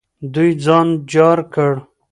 دوی ځان جار کړ.